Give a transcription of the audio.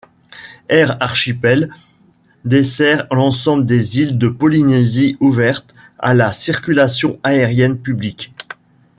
Air Archipels dessert l'ensemble des îles de Polynésie ouvertes à la circulation aérienne publique.